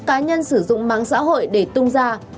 cá nhân sử dụng mạng xã hội để tung ra